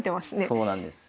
そうなんです。